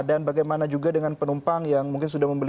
dan bagaimana juga dengan penumpang yang mungkin sudah mempunyai